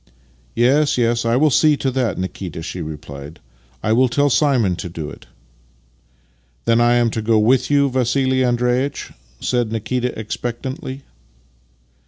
" Yes, yes, I will see to that, Nikita," she replied. " I will tell Simon to do it." " Then I am to go with you, Vassili Andreitch? " said Nikita, expectantly.